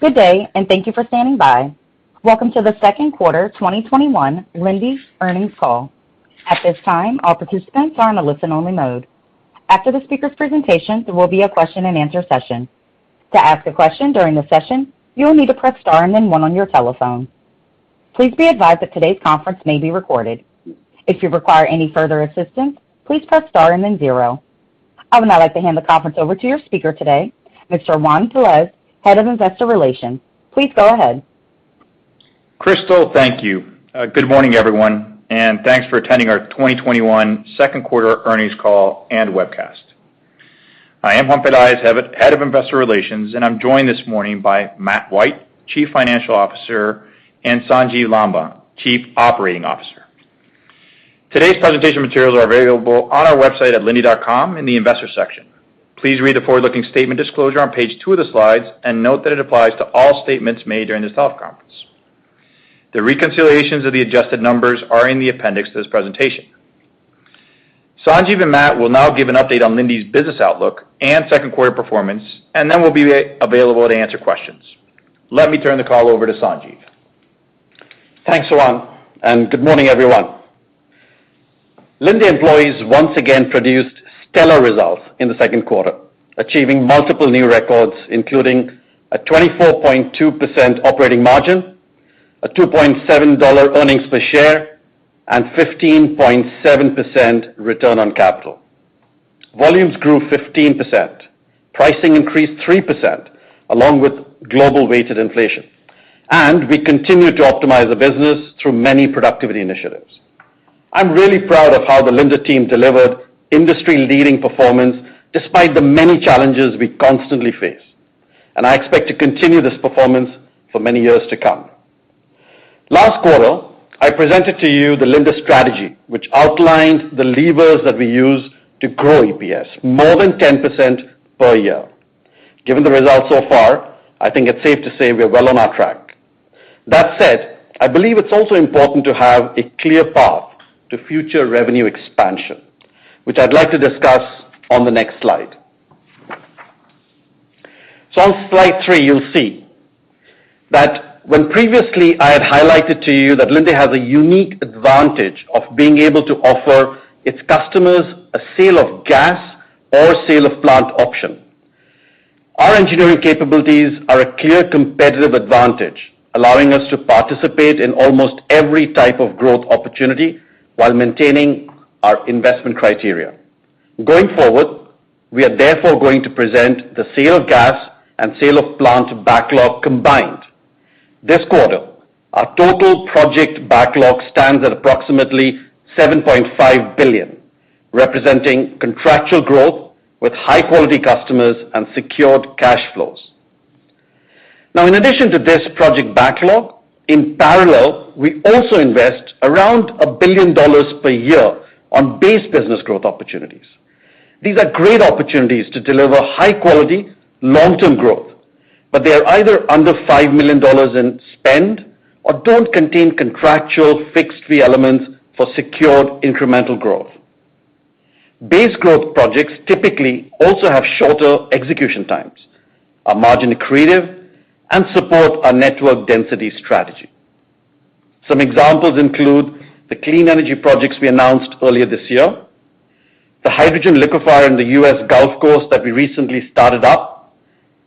Good day, and thank you for standing by. Welcome to the second quarter 2021 Linde's earnings call. At this time, all participants are in a listen-only mode. After the speaker's presentation, there will be a question and answer session. To ask a question during the session, you will need to press star and then one on your telephone. Please be advised that today's conference may be recorded. If you require any further assistance, please press star and then zero. I would now like to hand the conference over to your speaker today, Mr. Juan Pelaez, Head of Investor Relations. Please go ahead. Crystal, thank you. Good morning, everyone, and thanks for attending our 2021 second quarter earnings call and webcast. I am Juan Pelaez, Head of Investor Relations, and I'm joined this morning by Matt White, Chief Financial Officer, and Sanjiv Lamba, Chief Operating Officer. Today's presentation materials are available on our website at linde.com in the investor section. Please read the forward-looking statement disclosure on page two of the slides and note that it applies to all statements made during this conference. The reconciliations of the adjusted numbers are in the appendix to this presentation. Sanjiv and Matt will now give an update on Linde's business outlook and second quarter performance, and then we'll be available to answer questions. Let me turn the call over to Sanjiv. Thanks, Juan, and good morning, everyone. Linde employees once again produced stellar results in the second quarter, achieving multiple new records, including a 24.2% operating margin, a $2.70 earnings per share, and 15.7% return on capital. Volumes grew 15%. Pricing increased 3%, along with global weighted inflation. We continue to optimize the business through many productivity initiatives. I'm really proud of how the Linde team delivered industry-leading performance despite the many challenges we constantly face. I expect to continue this performance for many years to come. Last quarter, I presented to you the Linde strategy, which outlined the levers that we use to grow EPS more than 10% per year. Given the results so far, I think it's safe to say we are well on our track. I believe it's also important to have a clear path to future revenue expansion, which I'd like to discuss on the next slide. On slide three, you'll see that when previously I had highlighted to you that Linde has a unique advantage of being able to offer its customers a sale of gas or sale of plant option. Our engineering capabilities are a clear competitive advantage, allowing us to participate in almost every type of growth opportunity while maintaining our investment criteria. Going forward, we are therefore going to present the sale of gas and sale of plant backlog combined. This quarter, our total project backlog stands at approximately $7.5 billion, representing contractual growth with high-quality customers and secured cash flows. In addition to this project backlog, in parallel, we also invest around $1 billion per year on base business growth opportunities. These are great opportunities to deliver high-quality, long-term growth, but they are either under $5 million in spend or don't contain contractual fixed fee elements for secured incremental growth. Base growth projects typically also have shorter execution times, are margin accretive, and support our network density strategy. Some examples include the clean energy projects we announced earlier this year, the hydrogen liquefier in the U.S. Gulf Coast that we recently started up,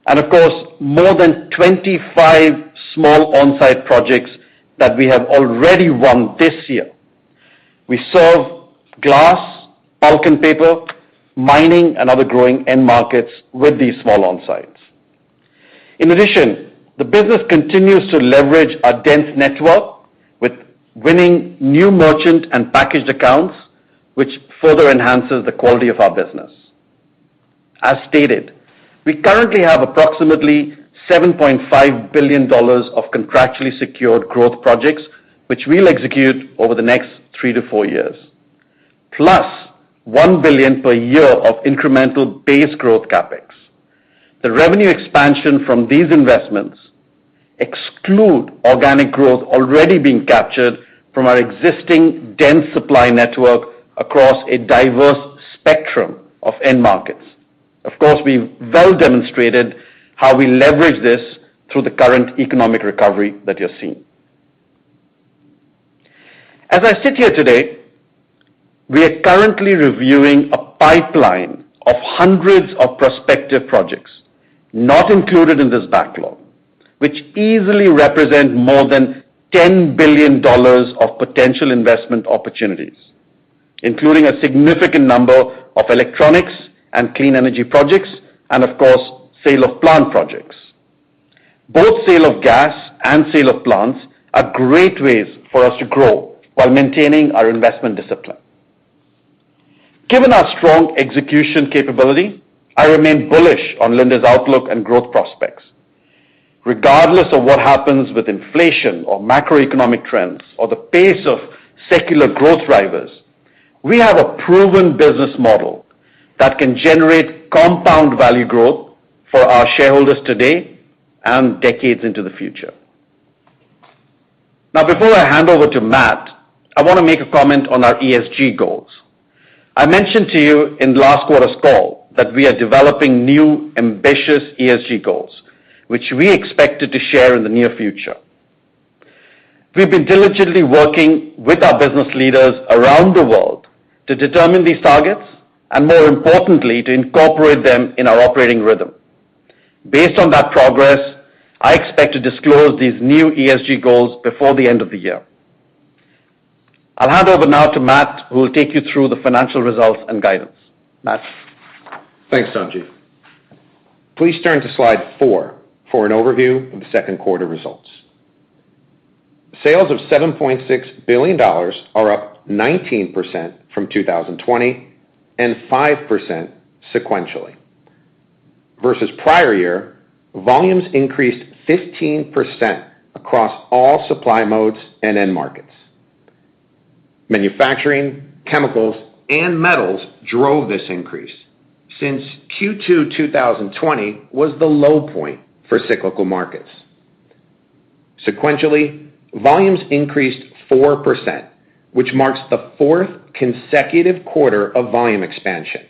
and of course, more than 25 small on-site projects that we have already won this year. We serve glass, pulp and paper, mining, and other growing end markets with these small on-sites. In addition, the business continues to leverage our dense network with winning new merchant and packaged accounts, which further enhances the quality of our business. As stated, we currently have approximately $7.5 billion of contractually secured growth projects, which we'll execute over the next three to four years, +$1 billion per year of incremental base growth CapEx. The revenue expansion from these investments exclude organic growth already being captured from our existing dense supply network across a diverse spectrum of end markets. Of course, we've well demonstrated how we leverage this through the current economic recovery that you're seeing. As I sit here today, we are currently reviewing a pipeline of hundreds of prospective projects, not included in this backlog, which easily represent more than $10 billion of potential investment opportunities, including a significant number of electronics and clean energy projects, and of course, sale of plant projects. Both sale of gas and sale of plants are great ways for us to grow while maintaining our investment discipline. Given our strong execution capability, I remain bullish on Linde's outlook and growth prospects. Regardless of what happens with inflation or macroeconomic trends or the pace of secular growth drivers, we have a proven business model that can generate compound value growth for our shareholders today and decades into the future. Now, before I hand over to Matt, I want to make a comment on our ESG goals. I mentioned to you in last quarter's call that we are developing new ambitious ESG goals, which we expected to share in the near future. We've been diligently working with our business leaders around the world to determine these targets, and more importantly, to incorporate them in our operating rhythm. Based on that progress, I expect to disclose these new ESG goals before the end of the year. I'll hand over now to Matt, who will take you through the financial results and guidance. Matt? Thanks, Sanjiv. Please turn to slide four for an overview of the second quarter results. Sales of $7.6 billion are up 19% from 2020 and 5% sequentially. Versus prior year, volumes increased 15% across all supply modes and end markets. Manufacturing, chemicals, and metals drove this increase since Q2 2020 was the low point for cyclical markets. Sequentially, volumes increased 4%, which marks the fourth consecutive quarter of volume expansion,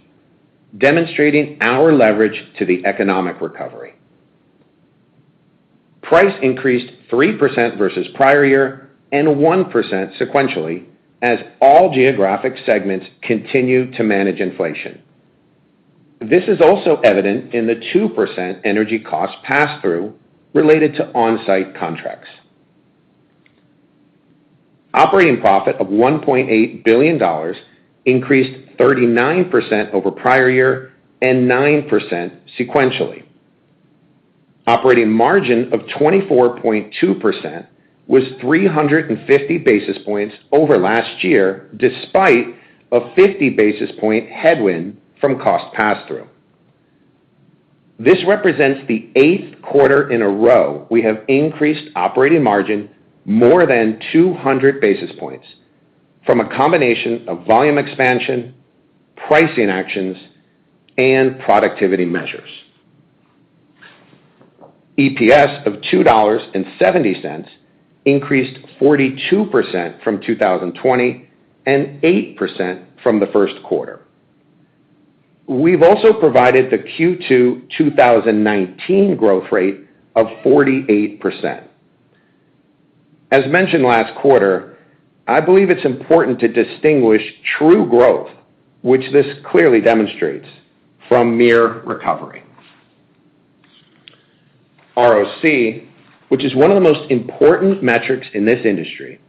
demonstrating our leverage to the economic recovery. Price increased 3% versus prior year and 1% sequentially as all geographic segments continue to manage inflation. This is also evident in the 2% energy cost pass-through related to on-site contracts. Operating profit of $1.8 billion increased 39% over prior year and 9% sequentially. Operating margin of 24.2% was 350 basis points over last year, despite a 50 basis point headwind from cost pass-through. This represents the eighth quarter in a row we have increased operating margin more than 200 basis points from a combination of volume expansion, pricing actions, and productivity measures. EPS of $2.70 increased 42% from 2020 and 8% from the first quarter. We've also provided the Q2 2019 growth rate of 48%. As mentioned last quarter, I believe it's important to distinguish true growth, which this clearly demonstrates, from mere recovery. ROC, which is one of the most important metrics in this industry,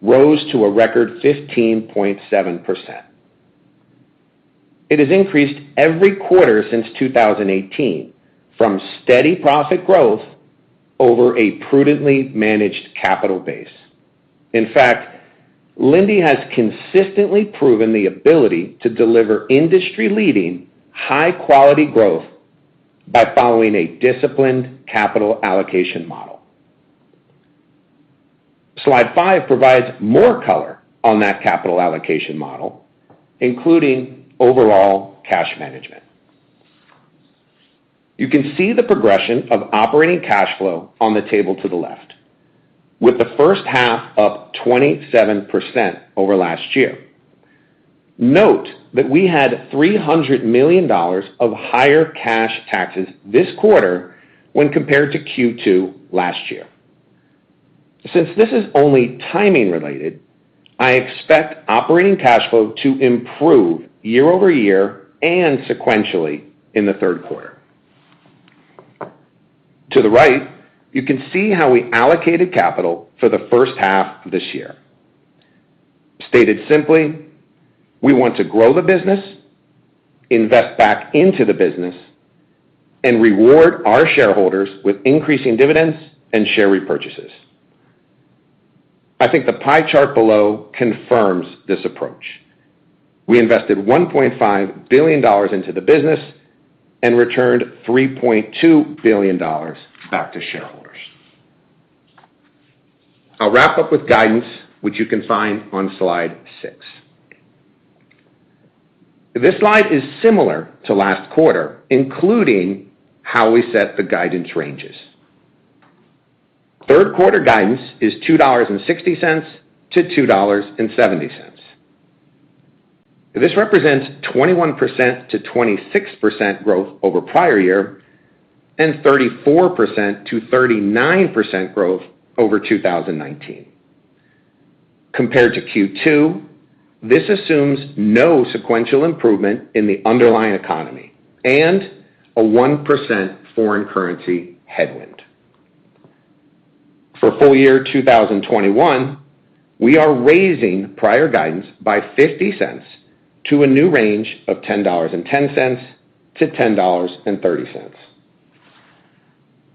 rose to a record 15.7%. It has increased every quarter since 2018 from steady profit growth over a prudently managed capital base. In fact, Linde has consistently proven the ability to deliver industry-leading, high-quality growth by following a disciplined capital allocation model. Slide five provides more color on that capital allocation model, including overall cash management. You can see the progression of operating cash flow on the table to the left, with the first half up 27% over last year. Note that we had $300 million of higher cash taxes this quarter when compared to Q2 last year. Since this is only timing related, I expect operating cash flow to improve year-over-year and sequentially in the third quarter. To the right, you can see how we allocated capital for the first half of this year. Stated simply, we want to grow the business, invest back into the business, and reward our shareholders with increasing dividends and share repurchases. I think the pie chart below confirms this approach. We invested $1.5 billion into the business and returned $3.2 billion back to shareholders. I'll wrap up with guidance, which you can find on slide six. This slide is similar to last quarter, including how we set the guidance ranges. Third quarter guidance is $2.60-$2.70. This represents 21%-26% growth over prior year and 34%-39% growth over 2019. Compared to Q2, this assumes no sequential improvement in the underlying economy and a 1% foreign currency headwind. For full year 2021, we are raising prior guidance by $0.50 to a new range of $10.10-$10.30.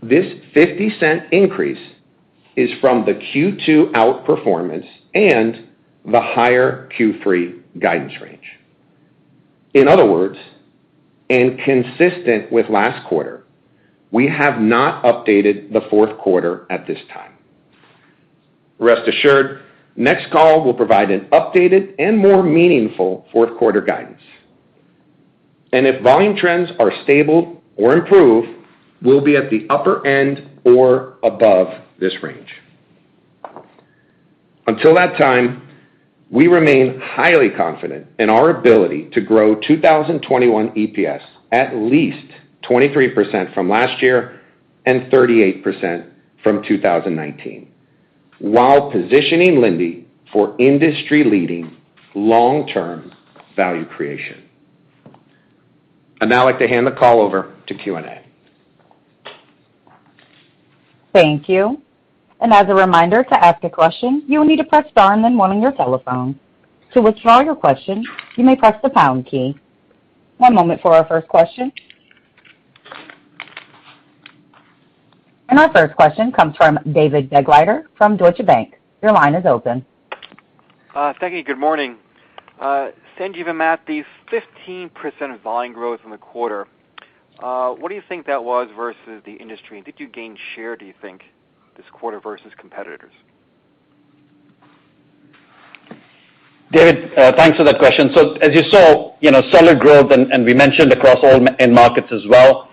This $0.50 increase is from the Q2 outperformance and the higher Q3 guidance range. In other words, consistent with last quarter, we have not updated the fourth quarter at this time. Rest assured, next call will provide an updated and more meaningful fourth quarter guidance. If volume trends are stable or improve, we'll be at the upper end or above this range. Until that time, we remain highly confident in our ability to grow 2021 EPS at least 23% from last year and 38% from 2019, while positioning Linde for industry-leading long-term value creation. I'd now like to hand the call over to Q&A. Thank you. As a reminder, to ask a question, you will need to press star and then one on your telephone. To withdraw your question, you may press the pound key. One moment for our first question. Our first question comes from David Begleiter from Deutsche Bank. Your line is open. Thank you. Good morning. Sanjiv and Matt, the 15% volume growth in the quarter, what do you think that was versus the industry? Did you gain share, do you think, this quarter versus competitors? David, thanks for that question. As you saw, solid growth, and we mentioned across all end markets as well.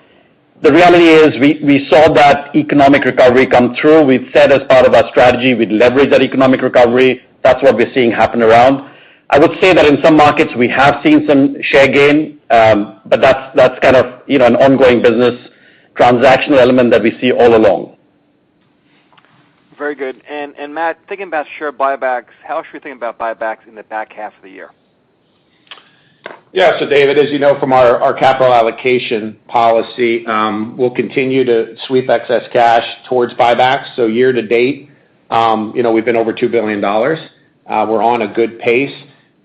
The reality is we saw that economic recovery come through. We've said as part of our strategy, we'd leverage that economic recovery. That's what we're seeing happen around. I would say that in some markets, we have seen some share gain, but that's an ongoing business transactional element that we see all along. Very good. Matt, thinking about share buybacks, how should we think about buybacks in the back half of the year? David, as you know from our capital allocation policy, we'll continue to sweep excess cash towards buybacks. Year-to-date, we've been over $2 billion. We're on a good pace.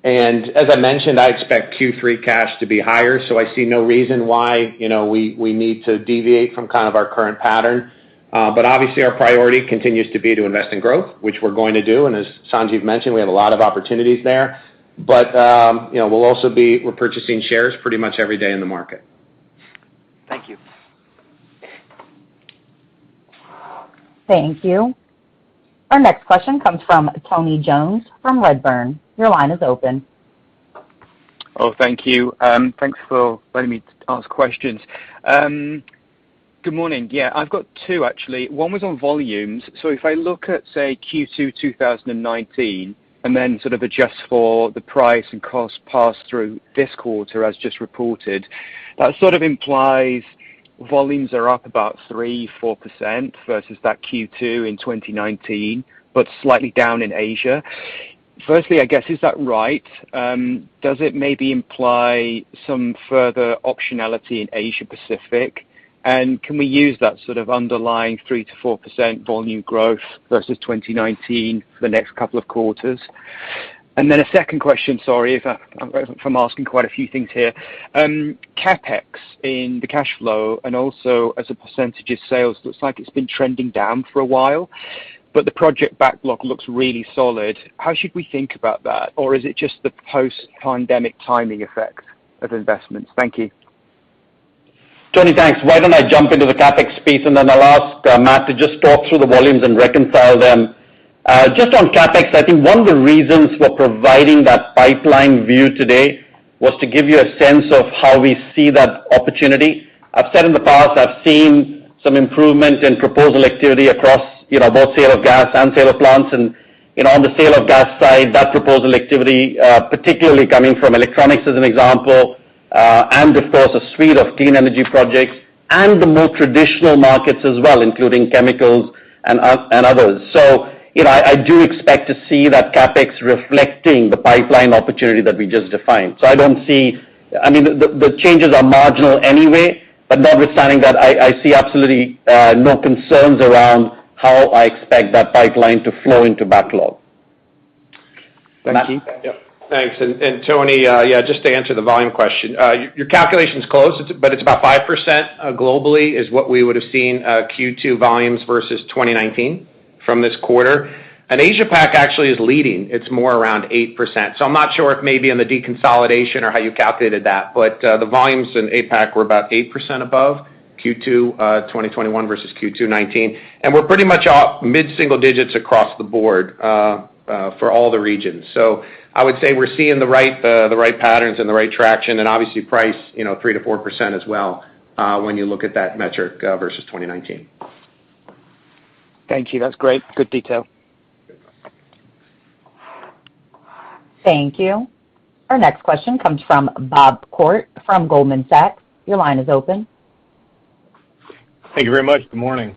As I mentioned, I expect Q3 cash to be higher, I see no reason why we need to deviate from our current pattern. Obviously, our priority continues to be to invest in growth, which we're going to do. As Sanjiv mentioned, we have a lot of opportunities there. We'll also be repurchasing shares pretty much every day in the market. Thank you. Thank you. Our next question comes from Tony Jones from Redburn. Your line is open. Oh, thank you. Thanks for letting me ask questions. Good morning. Yeah, I've got two, actually. One was on volumes. If I look at, say, Q2 2019, and then sort of adjust for the price and cost pass-through this quarter as just reported, that sort of implies volumes are up about 3%-4% versus that Q2 in 2019, but slightly down in Asia. Firstly, I guess, is that right? Does it maybe imply some further optionality in Asia Pacific? Can we use that sort of underlying 3%-4% volume growth versus 2019 for the next couple of quarters? A second question, sorry if I'm asking quite a few things here. CapEx in the cash flow and also as a percentage of sales looks like it's been trending down for a while, but the project backlog looks really solid. How should we think about that? Is it just the post-pandemic timing effect of investments? Thank you. Tony, thanks. Why don't I jump into the CapEx piece, and then I'll ask Matt to just talk through the volumes and reconcile them. Just on CapEx, I think one of the reasons we're providing that pipeline view today was to give you a sense of how we see that opportunity. I've said in the past, I've seen some improvement in proposal activity across both sale of gas and sale of plants. On the sale of gas side, that proposal activity, particularly coming from electronics as an example, and of course, a suite of clean energy projects and the more traditional markets as well, including chemicals and others. I do expect to see that CapEx reflecting the pipeline opportunity that we just defined. The changes are marginal anyway, but notwithstanding that, I see absolutely no concerns around how I expect that pipeline to flow into backlog. Thanks. Tony, just to answer the volume question. Your calculation's close, but it's about 5% globally is what we would've seen Q2 volumes versus 2019 from this quarter. Asia-Pac actually is leading. It's more around 8%. I'm not sure if maybe on the deconsolidation or how you calculated that, but the volumes in APAC were about 8% above Q2 2021 versus Q2 2019. We're pretty much up mid-single digits across the board for all the regions. I would say we're seeing the right patterns and the right traction and obviously price 3%-4% as well, when you look at that metric versus 2019. Thank you. That's great. Good detail. Thank you. Our next question comes from Bob Koort from Goldman Sachs. Your line is open. Thank you very much. Good morning.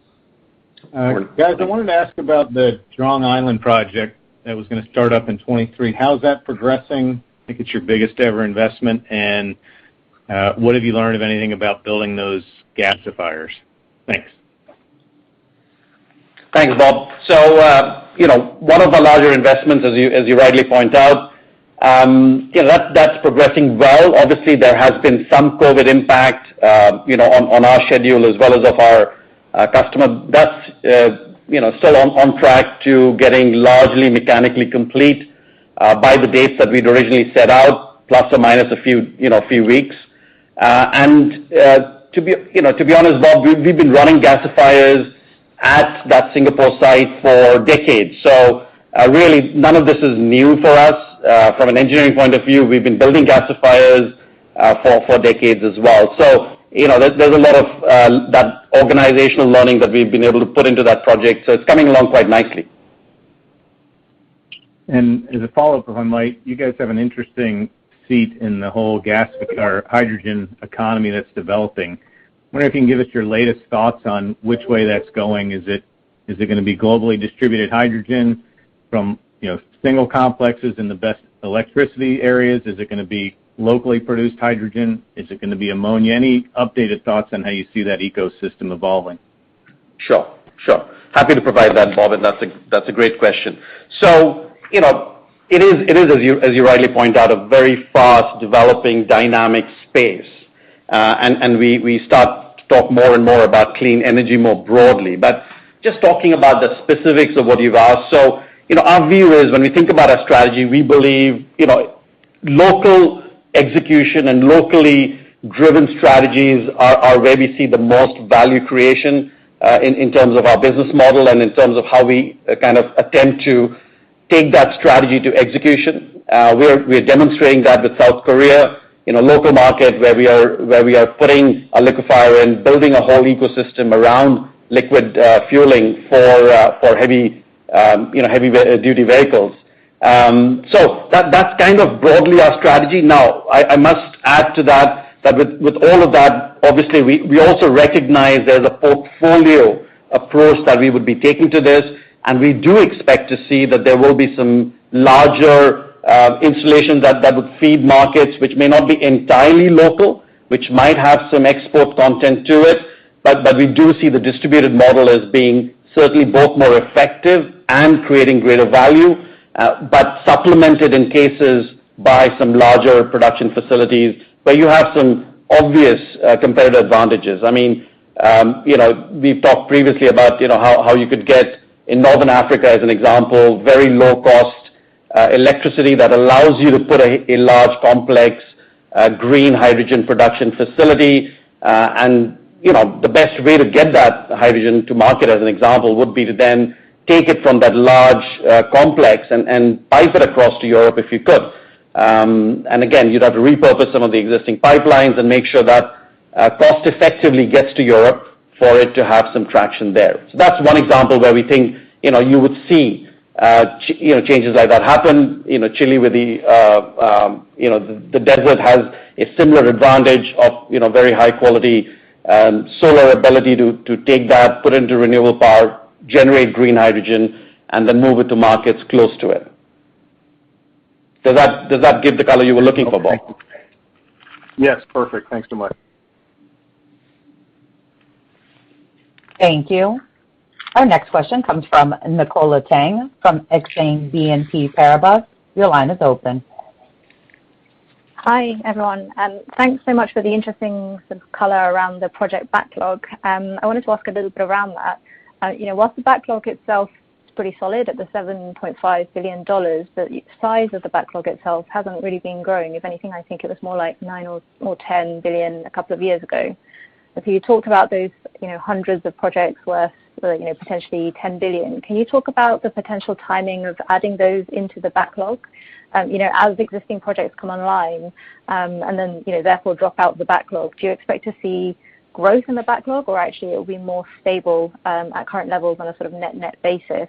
Guys, I wanted to ask about the Jurong Island project that was going to start up in 2023. How is that progressing? I think it is your biggest ever investment. What have you learned, if anything, about building those gasifiers? Thanks. Thanks, Bob. One of our larger investments, as you rightly point out. That's progressing well. Obviously, there has been some COVID impact on our schedule as well as of our customer. That's still on track to getting largely mechanically complete by the dates that we'd originally set out, plus or minus a few weeks. To be honest, Bob, we've been running gasifiers at that Singapore site for decades. Really, none of this is new for us. From an engineering point of view, we've been building gasifiers for decades as well. There's a lot of that organizational learning that we've been able to put into that project. It's coming along quite nicely. As a follow-up, if I might, you guys have an interesting seat in the whole gas or hydrogen economy that's developing. I wonder if you can give us your latest thoughts on which way that's going. Is it going to be globally distributed hydrogen from single complexes in the best electricity areas? Is it going to be locally produced hydrogen? Is it going to be ammonia? Any updated thoughts on how you see that ecosystem evolving? Sure. Happy to provide that, Bob, and that's a great question. It is, as you rightly point out, a very fast developing dynamic space. We start to talk more and more about clean energy more broadly, but just talking about the specifics of what you've asked. Our view is, when we think about our strategy, we believe local execution and locally driven strategies are where we see the most value creation, in terms of our business model and in terms of how we kind of attempt to take that strategy to execution. We're demonstrating that with South Korea, in a local market where we are putting a liquefier and building a whole ecosystem around liquid fueling for heavy duty vehicles. That's kind of broadly our strategy. Now, I must add to that with all of that, obviously, we also recognize there's a portfolio approach that we would be taking to this. We do expect to see that there will be some larger installations that would feed markets, which may not be entirely local, which might have some export content to it. We do see the distributed model as being certainly both more effective and creating greater value, but supplemented, in cases, by some larger production facilities where you have some obvious competitive advantages. We've talked previously about how you could get, in Northern Africa, as an example, very low-cost electricity that allows you to put a large, complex green hydrogen production facility. The best way to get that hydrogen to market, as an example, would be to then take it from that large complex and pipe it across to Europe, if you could. Again, you'd have to repurpose some of the existing pipelines and make sure that cost-effectively gets to Europe for it to have some traction there. That's one example where we think you would see changes like that happen. Chile, with the desert, has a similar advantage of very high-quality solar ability to take that, put it into renewable power, generate green hydrogen, and then move it to markets close to it. Does that give the color you were looking for, Bob? Yes. Perfect. Thanks so much. Thank you. Our next question comes from Nicola Tang from Exane BNP Paribas. Your line is open. Hi, everyone, thanks so much for the interesting sort of color around the project backlog. I wanted to ask a little bit around that. Whilst the backlog itself is pretty solid at the $7.5 billion, the size of the backlog itself hasn't really been growing. If anything, I think it was more like $9 or $10 billion a couple of years ago. If you talked about those hundreds of projects worth potentially $10 billion, can you talk about the potential timing of adding those into the backlog? As existing projects come online, and then therefore drop out of the backlog, do you expect to see growth in the backlog or actually it'll be more stable at current levels on a sort of net basis?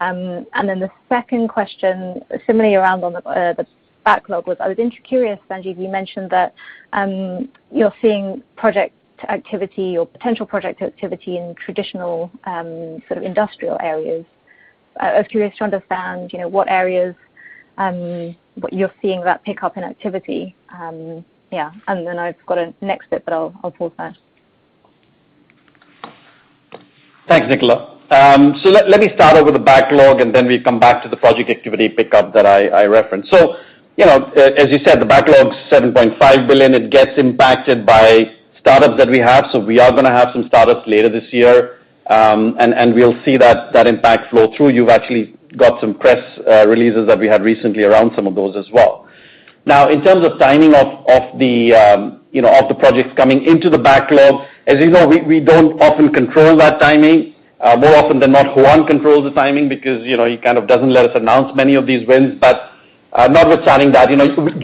The second question, similarly around on the backlog was, I was curious, Sanjiv, you mentioned that you're seeing project activity or potential project activity in traditional sort of industrial areas. I was curious to understand what areas you're seeing that pickup in activity. Yeah. I've got a next bit, but I'll pause there. Thanks, Nicola. Let me start over the backlog, and then we come back to the project activity pickup that I referenced. As you said, the backlog's $7.5 billion. It gets impacted by startups that we have. We are going to have some startups later this year, and we'll see that impact flow through. You've actually got some press releases that we had recently around some of those as well. In terms of timing of the projects coming into the backlog, as you know, we don't often control that timing. More often than not Juan controls the timing because he kind of doesn't let us announce many of these wins. Notwithstanding that,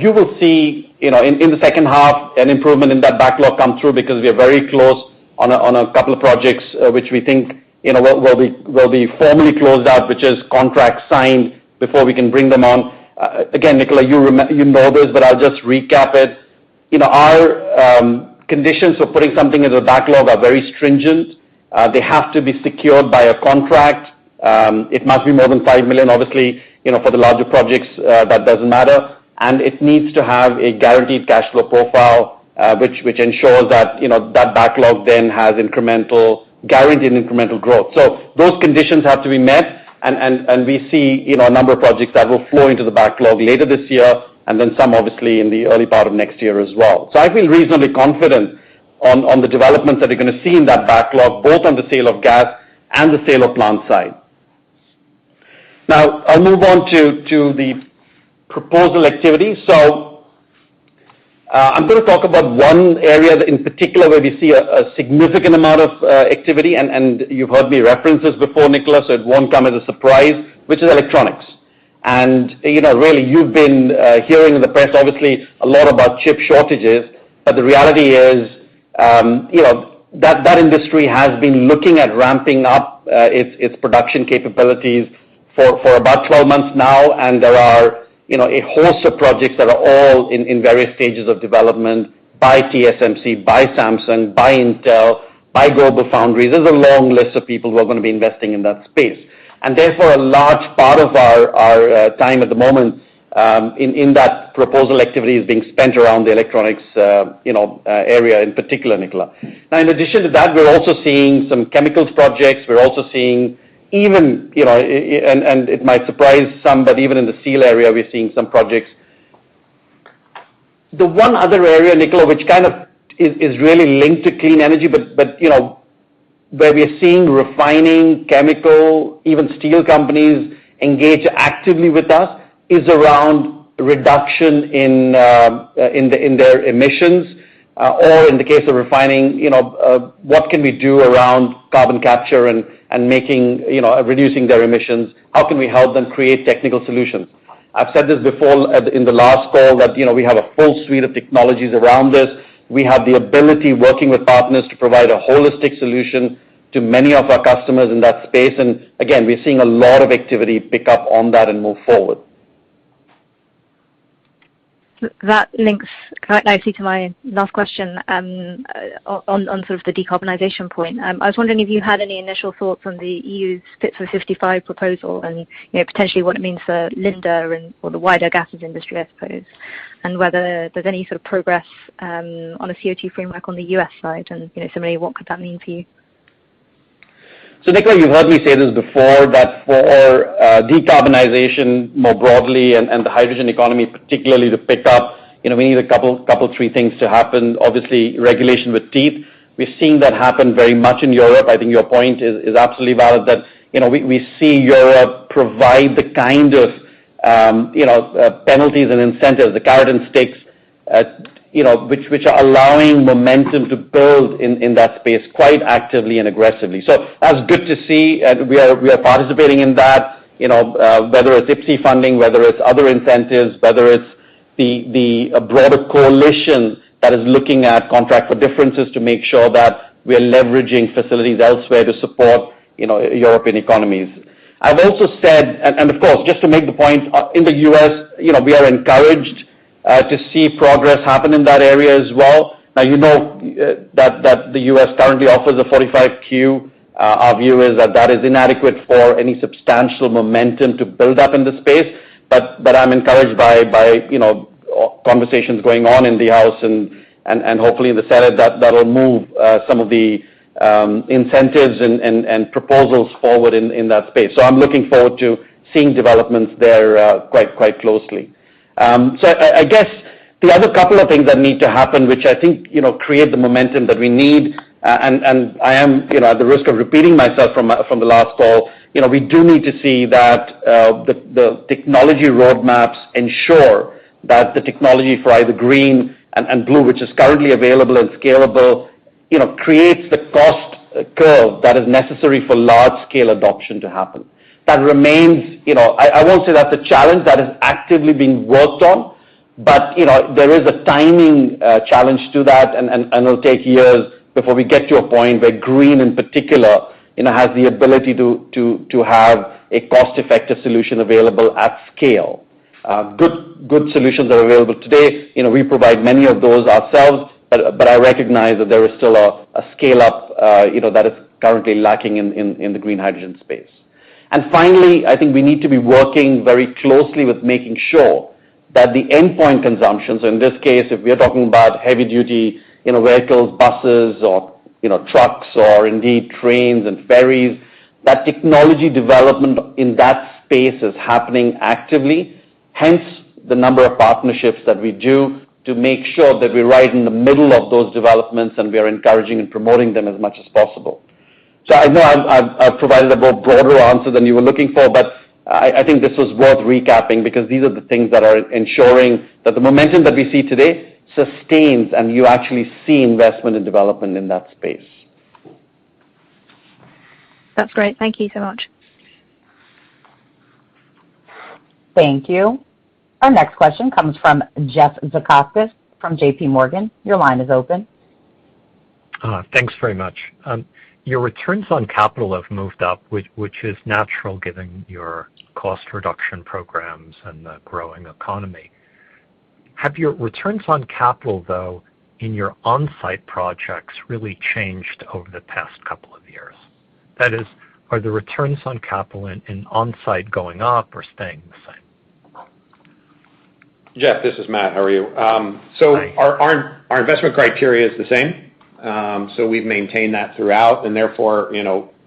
you will see, in the second half, an improvement in that backlog come through because we are very close on a couple of projects, which we think will be formally closed out, which is contracts signed before we can bring them on. Nicola, you know this, but I'll just recap it. Our conditions for putting something into a backlog are very stringent. They have to be secured by a contract. It must be more than $5 million. Obviously, for the larger projects, that doesn't matter. It needs to have a guaranteed cash flow profile, which ensures that backlog then has guaranteed incremental growth. Those conditions have to be met, and we see a number of projects that will flow into the backlog later this year and then some obviously in the early part of next year as well. I feel reasonably confident on the developments that we're going to see in that backlog, both on the sale of gas and the sale of plant site. I'll move on to the proposal activity. I'm going to talk about one area in particular where we see a significant amount of activity, and you've heard me reference this before, Nicola, so it won't come as a surprise, which is electronics. Really, you've been hearing in the press, obviously, a lot about chip shortages. The reality is that that industry has been looking at ramping up its production capabilities for about 12 months now, and there are a host of projects that are all in various stages of development by TSMC, by Samsung, by Intel, by GlobalFoundries. There's a long list of people who are going to be investing in that space. Therefore, a large part of our time at the moment in that proposal activity is being spent around the electronics area in particular, Nicola. In addition to that, we're also seeing some chemicals projects. We're also seeing even, and it might surprise some, but even in the steel area, we're seeing some projects. The one other area, Nicola, which kind of is really linked to clean energy, but where we are seeing refining chemical, even steel companies engage actively with us, is around reduction in their emissions. In the case of refining, what can we do around carbon capture and reducing their emissions? How can we help them create technical solutions? I've said this before in the last call that we have a full suite of technologies around this. We have the ability, working with partners, to provide a holistic solution to many of our customers in that space. Again, we're seeing a lot of activity pick up on that and move forward. That links quite nicely to my last question on sort of the decarbonization point. I was wondering if you had any initial thoughts on the EU's Fit for 55 proposal and potentially what it means for Linde and for the wider gases industry, I suppose, and whether there's any sort of progress on a CO2 framework on the U.S. side, and similarly, what could that mean for you? Nicola, you've heard me say this before, that for decarbonization more broadly and the hydrogen economy particularly to pick up, we need a couple, three things to happen. Obviously, regulation with teeth. We're seeing that happen very much in Europe. I think your point is absolutely valid that we see Europe provide the kind of penalties and incentives, the carrot and sticks, which are allowing momentum to build in that space quite actively and aggressively. That's good to see. We are participating in that, whether it's IPCEI funding, whether it's other incentives, whether it's the broader coalition that is looking at contract for differences to make sure that we are leveraging facilities elsewhere to support European economies. I've also said, and of course, just to make the point, in the U.S., we are encouraged to see progress happen in that area as well. You know that the U.S. currently offers a 45Q. Our view is that that is inadequate for any substantial momentum to build up in the space. I'm encouraged by conversations going on in the House and hopefully in the Senate that'll move some of the incentives and proposals forward in that space. I'm looking forward to seeing developments there quite closely. I guess the other couple of things that need to happen, which I think create the momentum that we need, and I am at the risk of repeating myself from the last call, we do need to see that the technology roadmaps ensure that the technology for either green and blue, which is currently available and scalable, creates the cost curve that is necessary for large scale adoption to happen. I won't say that's a challenge. That is actively being worked on. There is a timing challenge to that, and it'll take years before we get to a point where green, in particular, has the ability to have a cost-effective solution available at scale. Good solutions are available today. We provide many of those ourselves, but I recognize that there is still a scale-up that is currently lacking in the green hydrogen space. Finally, I think we need to be working very closely with making sure that the endpoint consumptions, in this case, if we are talking about heavy duty vehicles, buses or trucks or indeed trains and ferries, that technology development in that space is happening actively. Hence, the number of partnerships that we do to make sure that we're right in the middle of those developments, and we are encouraging and promoting them as much as possible. I know I've provided a more broader answer than you were looking for, but I think this was worth recapping because these are the things that are ensuring that the momentum that we see today sustains, and you actually see investment and development in that space. That's great. Thank you so much. Thank you. Our next question comes from Jeff Zekauskas from JPMorgan. Your line is open. Thanks very much. Your returns on capital have moved up, which is natural given your cost reduction programs and the growing economy. Have your returns on capital, though, in your on-site projects really changed over the past couple of years? That is, are the returns on capital in on-site going up or staying the same? Jeff, this is Matt. How are you? Hi. Our investment criteria is the same. We've maintained that throughout, and therefore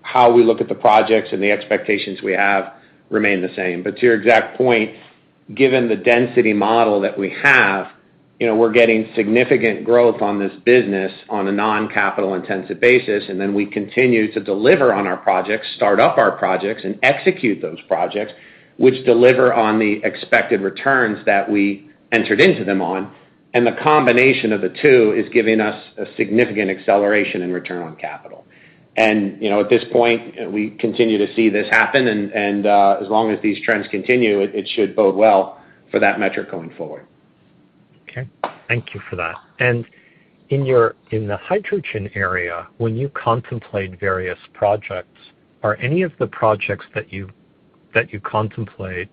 how we look at the projects and the expectations we have remain the same. To your exact point, given the density model that we have, we're getting significant growth on this business on a non-capital intensive basis, and then we continue to deliver on our projects, start up our projects, and execute those projects, which deliver on the expected returns that we entered into them on. The combination of the two is giving us a significant acceleration in return on capital. At this point, we continue to see this happen, and as long as these trends continue, it should bode well for that metric going forward. Okay. Thank you for that. In the hydrogen area, when you contemplate various projects, are any of the projects that you contemplate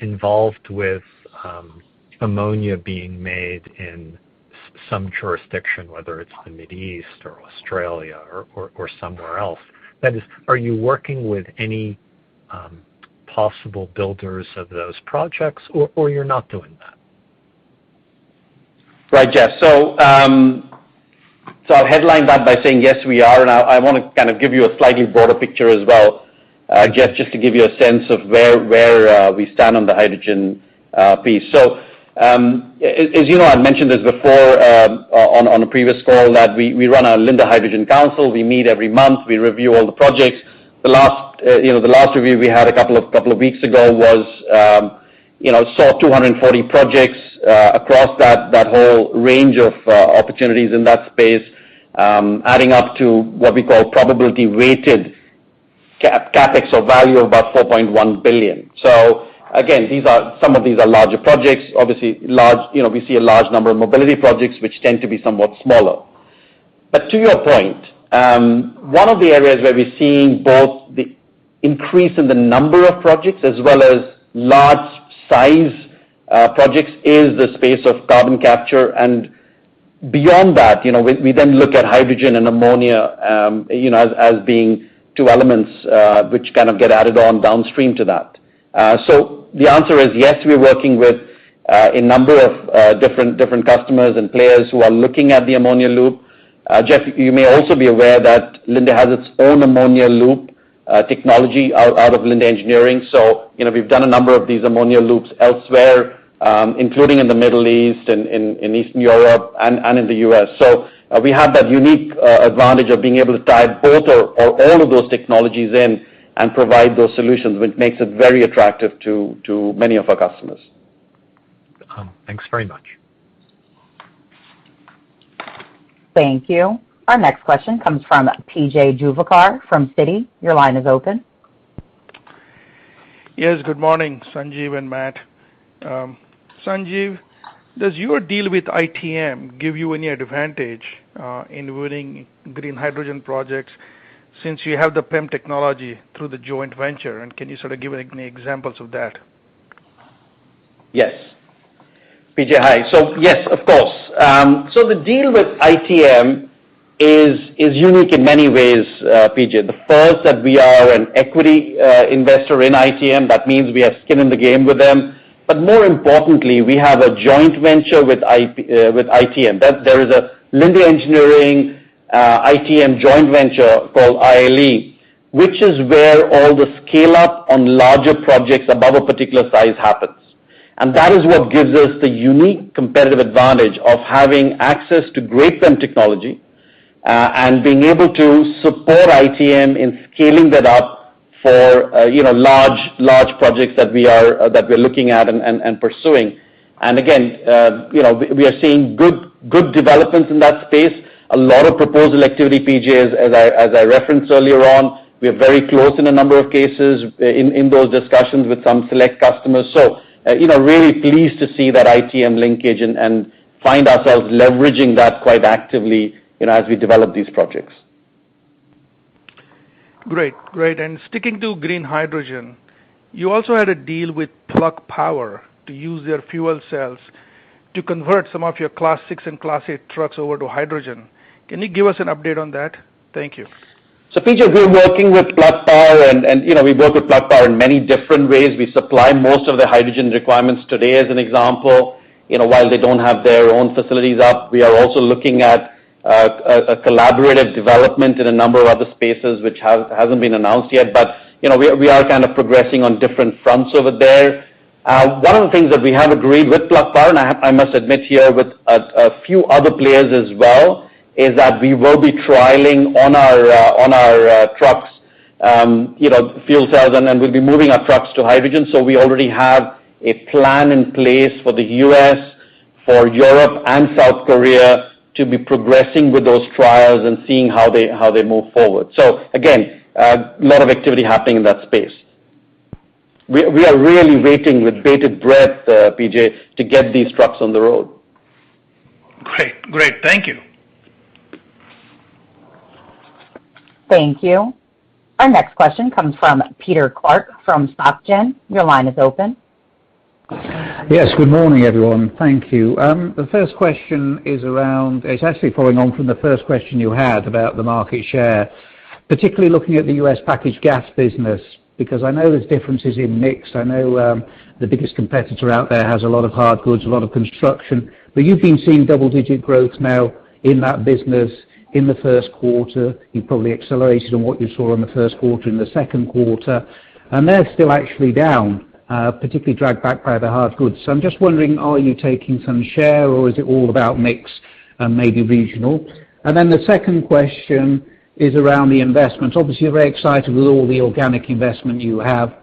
involved with ammonia being made in some jurisdiction, whether it's the Mid-East or Australia or somewhere else? That is, are you working with any possible builders of those projects, or you're not doing that? Right, Jeff. I'll headline that by saying yes, we are, and I want to give you a slightly broader picture as well, Jeff, just to give you a sense of where we stand on the hydrogen piece. As you know, I've mentioned this before on a previous call that we run our Linde Hydrogen Council. We meet every month. We review all the projects. The last review we had a couple of weeks ago saw 240 projects across that whole range of opportunities in that space, adding up to what we call probability weighted CapEx or value of about $4.1 billion. Again, some of these are larger projects. Obviously, we see a large number of mobility projects, which tend to be somewhat smaller. To your point, one of the areas where we're seeing both the increase in the number of projects as well as large size projects is the space of carbon capture. Beyond that, we then look at hydrogen and ammonia as being two elements which get added on downstream to that. The answer is yes, we're working with a number of different customers and players who are looking at the ammonia loop. Jeff, you may also be aware that Linde has its own ammonia loop technology out of Linde Engineering. We've done a number of these ammonia loops elsewhere, including in the Middle East and in Eastern Europe, and in the U.S. We have that unique advantage of being able to tie both or all of those technologies in and provide those solutions, which makes it very attractive to many of our customers. Thanks very much. Thank you. Our next question comes from P.J. Juvekar from Citi. Your line is open. Yes, good morning, Sanjiv and Matt. Sanjiv, does your deal with ITM give you any advantage in winning green hydrogen projects since you have the PEM technology through the joint venture? Can you sort of give any examples of that? Yes. P.J., Hi. Yes, of course. The deal with ITM is unique in many ways, P.J. The first that we are an equity investor in ITM. That means we have skin in the game with them. More importantly, we have a joint venture with ITM. There is a Linde Engineering ITM joint venture called ILE, which is where all the scale-up on larger projects above a particular size happens. That is what gives us the unique competitive advantage of having access to great PEM technology, and being able to support ITM in scaling that up for large projects that we're looking at and pursuing. Again, we are seeing good developments in that space. A lot of proposal activity, P.J., as I referenced earlier on. We are very close in a number of cases in those discussions with some select customers. Really pleased to see that ITM linkage and find ourselves leveraging that quite actively as we develop these projects. Great. Sticking to green hydrogen, you also had a deal with Plug Power to use their fuel cells to convert some of your Class 6 and Class 8 trucks over to hydrogen. Can you give us an update on that? Thank you. P.J., we're working with Plug Power, and we work with Plug Power in many different ways. We supply most of their hydrogen requirements today, as an example. While they don't have their own facilities up, we are also looking at a collaborative development in a number of other spaces, which hasn't been announced yet. We are progressing on different fronts over there. One of the things that we have agreed with Plug Power, and I must admit here with a few other players as well, is that we will be trialing on our trucks fuel cells, and then we'll be moving our trucks to hydrogen. We already have a plan in place for the U.S., for Europe, and South Korea to be progressing with those trials and seeing how they move forward. Again, a lot of activity happening in that space. We are really waiting with bated breath, P.J., to get these trucks on the road. Great. Thank you. Thank you. Our next question comes from Peter Clark from SocGen. Your line is open. Yes, good morning, everyone. Thank you. The first question is actually following on from the first question you had about the market share, particularly looking at the U.S. packaged gas business, because I know there's differences in mix. I know the biggest competitor out there has a lot of hard goods, a lot of construction, but you've been seeing double-digit growth now in that business in the first quarter. You probably accelerated on what you saw in the first quarter in the second quarter, and they're still actually down, particularly dragged back by the hard goods. I'm just wondering, are you taking some share or is it all about mix? Maybe regional? The second question is around the investment. Obviously, you're very excited with all the organic investment you have,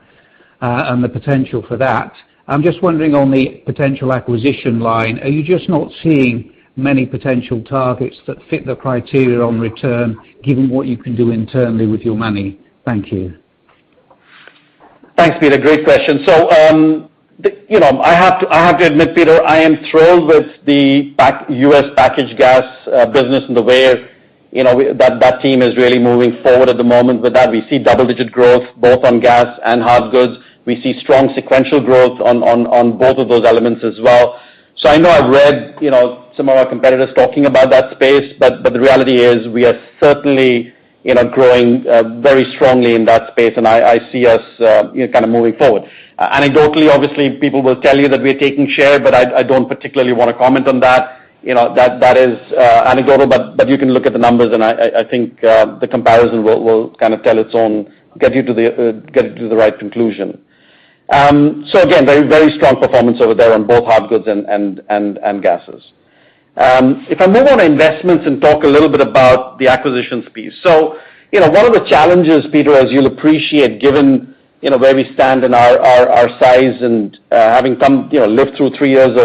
and the potential for that. I'm just wondering on the potential acquisition line, are you just not seeing many potential targets that fit the criteria on return, given what you can do internally with your money? Thank you. Thanks, Peter. Great question. I have to admit, Peter, I am thrilled with the U.S. packaged gas business and the way that team is really moving forward at the moment with that. We see double-digit growth both on gas and hard goods. We see strong sequential growth on both of those elements as well. I know I've read some of our competitors talking about that space, but the reality is we are certainly growing very strongly in that space and I see us moving forward. Anecdotally, obviously, people will tell you that we are taking share, but I don't particularly want to comment on that. That is anecdotal, but you can look at the numbers and I think the comparison will get you to the right conclusion. Again, very strong performance over there on both hard goods and gases. If I move on to investments and talk a little bit about the acquisitions piece. One of the challenges, Peter, as you'll appreciate given where we stand in our size and having lived through three years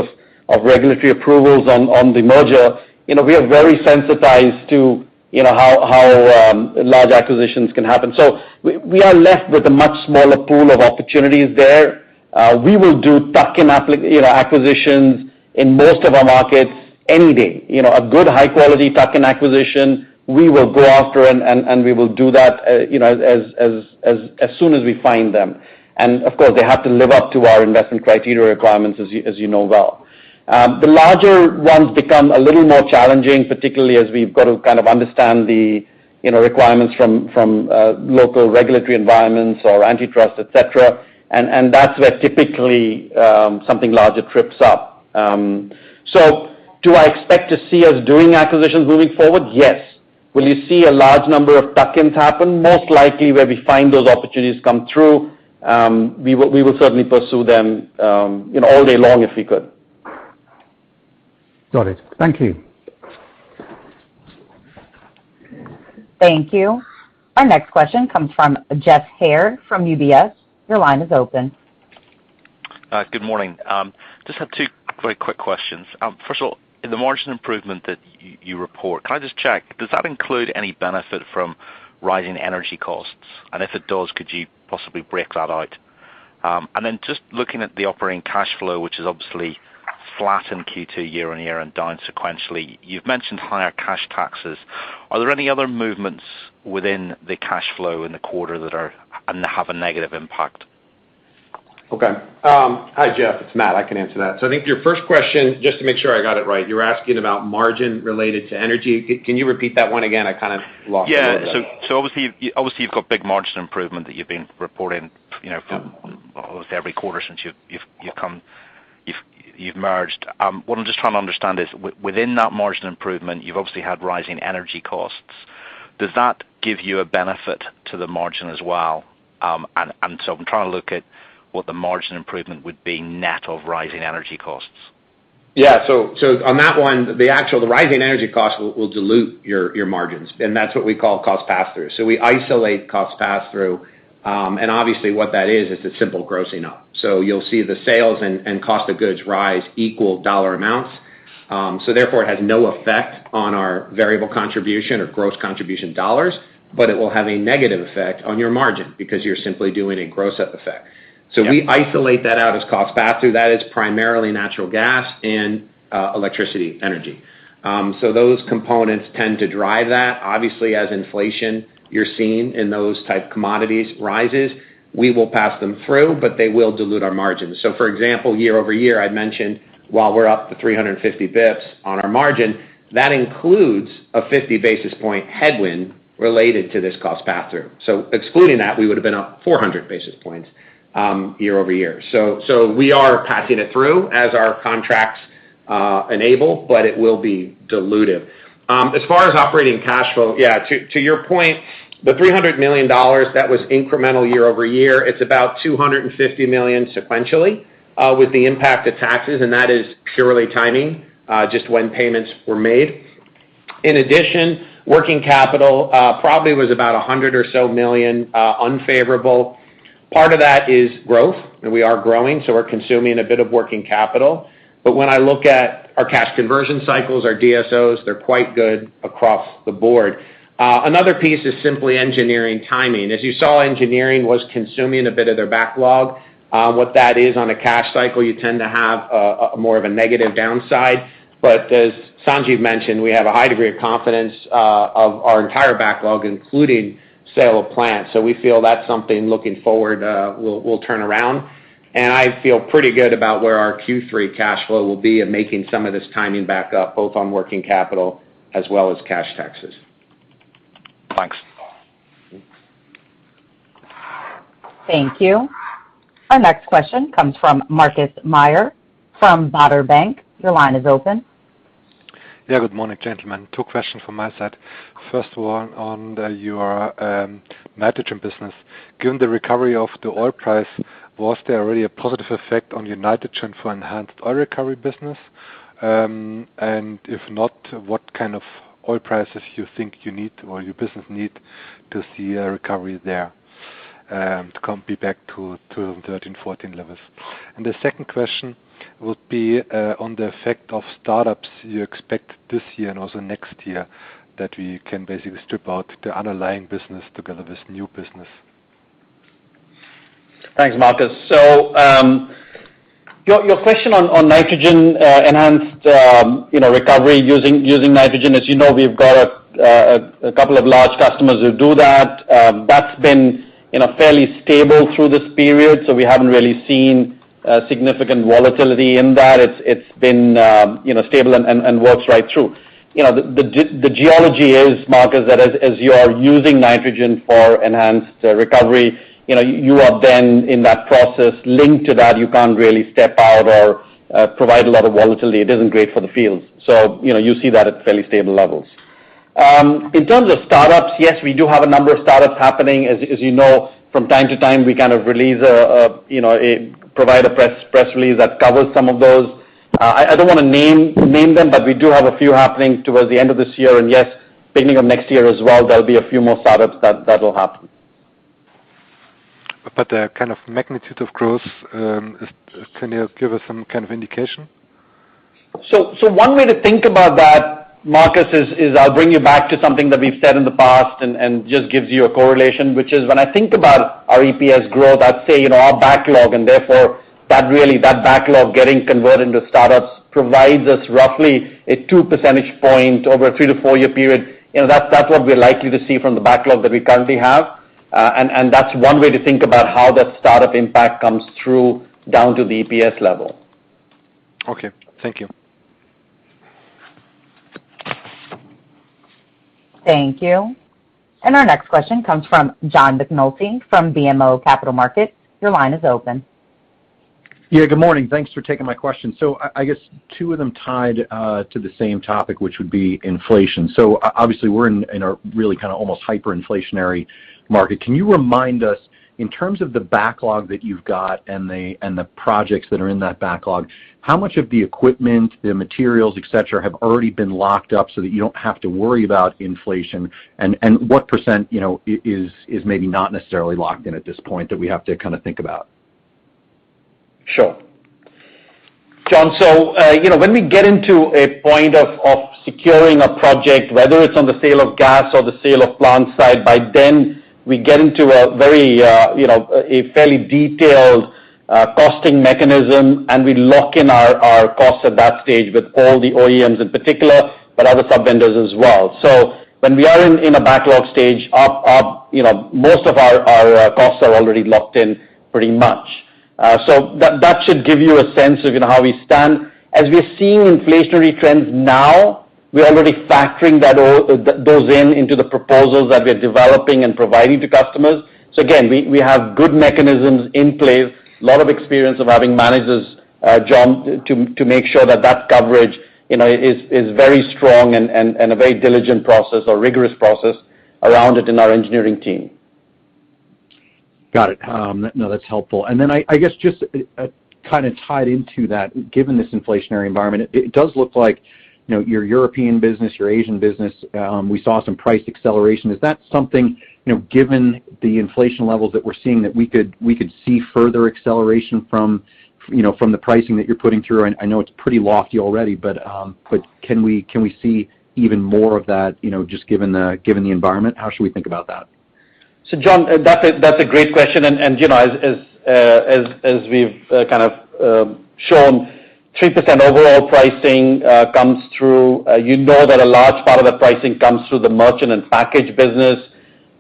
of regulatory approvals on the merger, we are very sensitized to how large acquisitions can happen. We are left with a much smaller pool of opportunities there. We will do tuck-in acquisitions in most of our markets any day. A good high-quality tuck-in acquisition, we will go after and we will do that as soon as we find them. Of course, they have to live up to our investment criteria requirements, as you know well. The larger ones become a little more challenging, particularly as we've got to kind of understand the requirements from local regulatory environments or antitrust, et cetera, and that's where typically something larger trips up. Do I expect to see us doing acquisitions moving forward? Yes. Will you see a large number of tuck-ins happen? Most likely where we find those opportunities come through, we will certainly pursue them all day long if we could. Got it. Thank you. Thank you. Our next question comes from Geoff Haire from UBS. Your line is open. Good morning. Just have two very quick questions. First of all, in the margin improvement that you report, can I just check, does that include any benefit from rising energy costs? If it does, could you possibly break that out? Just looking at the operating cash flow, which is obviously flat in Q2 year-on-year and down sequentially, you've mentioned higher cash taxes. Are there any other movements within the cash flow in the quarter that have a negative impact? Okay. Hi, Geoff, it's Matt. I can answer that. I think your first question, just to make sure I got it right, you were asking about margin related to energy. Can you repeat that one again? I kind of lost it a little bit. Yeah. Obviously, you've got big margin improvement that you've been reporting for almost every quarter since you've merged. What I'm just trying to understand is within that margin improvement, you've obviously had rising energy costs. Does that give you a benefit to the margin as well? I'm trying to look at what the margin improvement would be net of rising energy costs. Yeah. On that one, the rising energy cost will dilute your margins, and that's what we call cost pass-through. We isolate cost pass-through. Obviously what that is, it's a simple grossing up. You'll see the sales and cost of goods rise equal dollar amounts. Therefore, it has no effect on our variable contribution or gross contribution dollars, but it will have a negative effect on your margin because you're simply doing a gross up effect. Yeah. We isolate that out as cost pass-through. That is primarily natural gas and electricity energy. Those components tend to drive that. Obviously, as inflation you're seeing in those type commodities rises, we will pass them through, but they will dilute our margins. For example, year-over-year, I mentioned while we're up the 350 basis points on our margin, that includes a 50 basis point headwind related to this cost pass-through. Excluding that, we would've been up 400 basis points year-over-year. We are passing it through as our contracts enable, but it will be dilutive. As far as operating cash flow, yeah, to your point, the $300 million that was incremental year-over-year, it's about $250 million sequentially with the impact of taxes and that is purely timing, just when payments were made. In addition, working capital probably was about $100 million unfavorable. Part of that is growth, and we are growing, so we're consuming a bit of working capital. When I look at our cash conversion cycles, our DSOs, they're quite good across the board. Another piece is simply engineering timing. As you saw, engineering was consuming a bit of their backlog. What that is on a cash cycle, you tend to have more of a negative downside. As Sanjiv mentioned, we have a high degree of confidence of our entire backlog, including sale of plant. We feel that's something looking forward we'll turn around, and I feel pretty good about where our Q3 cash flow will be in making some of this timing back up, both on working capital as well as cash taxes. Thanks. Thank you. Our next question comes from Markus Mayer from Baader Bank. Your line is open. Yeah. Good morning, gentlemen. Two questions from my side. First of all, on your nitrogen business. Given the recovery of the oil price, was there already a positive effect on your nitrogen for enhanced oil recovery business? If not, what kind of oil prices you think you need or your business need to see a recovery there to come be back to 13 level, 14 levels? The second question would be on the effect of startups you expect this year and also next year, that we can basically strip out the underlying business together with new business. Thanks, Markus. Your question on nitrogen enhanced recovery using nitrogen. As you know, we've got a couple of large customers who do that. That's been fairly stable through this period, so we haven't really seen significant volatility in that. It's been stable and works right through. The geology is, Markus, that as you are using nitrogen for enhanced recovery, you are then in that process linked to that, you can't really step out or provide a lot of volatility. It isn't great for the fields. You see that at fairly stable levels. In terms of startups, yes, we do have a number of startups happening. As you know, from time to time, we kind of provide a press release that covers some of those. I don't wanna name them, but we do have a few happening towards the end of this year. Yes, beginning of next year as well, there'll be a few more startups that will happen. The kind of magnitude of growth, can you give us some kind of indication? One way to think about that, Markus, is I'll bring you back to something that we've said in the past and just gives you a correlation, which is when I think about our EPS growth, I'd say our backlog and therefore that backlog getting converted into startups provides us roughly a 2 percentage point over a three to four year period. That's what we're likely to see from the backlog that we currently have. That's one way to think about how that startup impact comes through down to the EPS level. Okay. Thank you. Thank you. Our next question comes from John McNulty from BMO Capital Markets. Your line is open. Yeah, good morning. Thanks for taking my question. I guess two of them tied to the same topic, which would be inflation. Obviously we're in a really kind of almost hyperinflationary market. Can you remind us in terms of the backlog that you've got and the projects that are in that backlog, how much of the equipment, the materials, et cetera, have already been locked up so that you don't have to worry about inflation? What percent is maybe not necessarily locked in at this point that we have to kind of think about? Sure. John, when we get into a point of securing a project, whether it's on the sale of gas or the sale of plant site, by then we get into a fairly detailed costing mechanism, and we lock in our costs at that stage with all the OEMs in particular, but other sub-vendors as well. When we are in a backlog stage, most of our costs are already locked in pretty much. That should give you a sense of how we stand. As we are seeing inflationary trends now, we are already factoring those in into the proposals that we are developing and providing to customers. Again, we have good mechanisms in place, lot of experience of having managers, John, to make sure that that coverage is very strong and a very diligent process or rigorous process around it in our engineering team. Got it. No, that's helpful. I guess just kind of tied into that, given this inflationary environment, it does look like your European business, your Asian business, we saw some price acceleration. Is that something, given the inflation levels that we're seeing, that we could see further acceleration from the pricing that you're putting through? I know it's pretty lofty already, but can we see even more of that, just given the environment? How should we think about that? John, that's a great question. As we've kind of shown, 3% overall pricing. You know that a large part of the pricing comes through the merchant and package business,